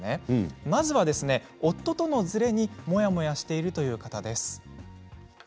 まずは夫とのずれにモヤモヤしている方です。